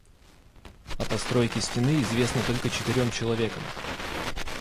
О постройке стены известно только четырём человекам.